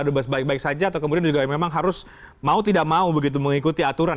bebas baik baik saja atau kemudian juga memang harus mau tidak mau begitu mengikuti aturan